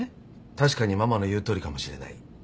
確かにママの言うとおりかもしれない。